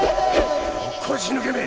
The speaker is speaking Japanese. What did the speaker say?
腰抜けめ！